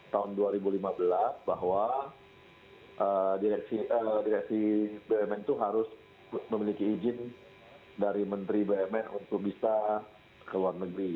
tahun dua ribu lima belas bahwa direksi bumn itu harus memiliki izin dari menteri bumn untuk bisa ke luar negeri